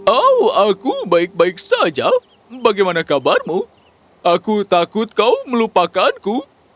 oh aku baik baik saja bagaimana kabarmu aku takut kau melupakanku